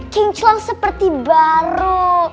kingclang seperti baru